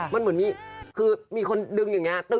มันเหมือนมีคือมีคนดึงอย่างนี้